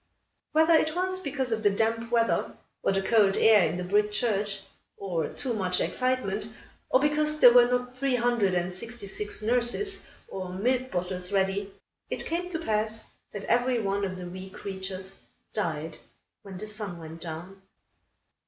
Whether it was because of the damp weather, or the cold air in the brick church, or too much excitement, or because there were not three hundred and sixty six nurses, or milk bottles ready, it came to pass that every one of the wee creatures died when the sun went down.